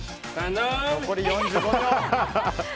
残り４５秒！